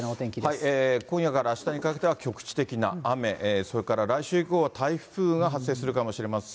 今夜からあしたにかけては、局地的な雨、それから来週以降は台風が発生するかもしれません。